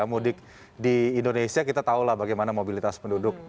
mudik di indonesia kita tahu lah bagaimana mobilitas penduduk